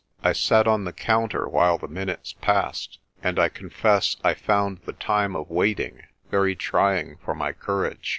I sat on the counter while the minutes passed, and I confess I found the time of waiting very trying for my courage.